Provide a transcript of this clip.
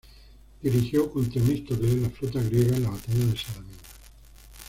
Dirigió, con Temístocles, la flota griega en la batalla de Salamina.